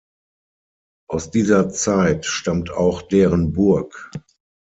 Aus dieser Zeit stammt auch deren Burg.